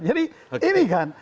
jadi ini kan